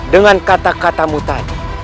dengan kata katamu tadi